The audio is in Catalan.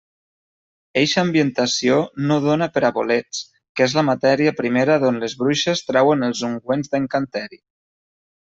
Eixa ambientació no dóna per a bolets, que és la matèria primera d'on les bruixes trauen els ungüents d'encanteri.